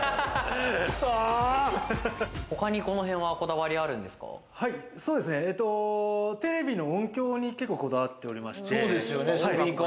他にこの辺はこだわりあるんテレビの音響に結構、こだわっておりまして。